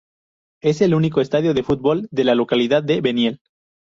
Es el único estadio de fútbol de la localidad de Beniel.